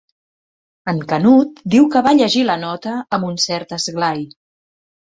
En Canut diu que va llegir la nota amb un cert esglai.